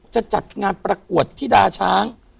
จะจัดงานประกวดที่ดาช้าง